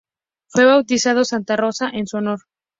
Fue bautizado ""Santa Rosa"" en su honor.